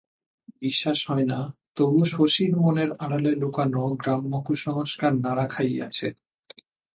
বিশ্বাস হয় না, তবু শশীর মনের আড়ালে লুকানো গ্রাম্য কুসংস্কার নাড়া খাইয়াছে।